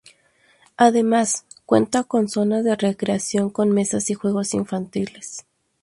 Además cuenta con zonas de recreación con mesas y juegos infantiles.